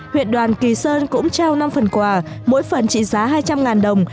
huyện đoàn kỳ sơn cũng trao năm phần quà mỗi phần trị giá hai trăm linh đồng